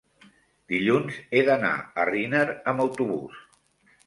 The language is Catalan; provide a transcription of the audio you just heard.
dilluns he d'anar a Riner amb autobús.